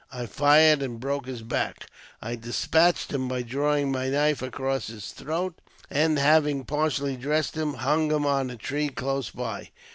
I fired, and broke his back. I des patched him by drawing my knife across his throat, and, having partially dressed him, hung him on a tree close by.